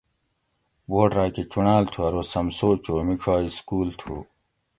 بورڈ راۤکہۤ چونڑاۤل تھو ارو سمسو چو میڄاگ سکول تھو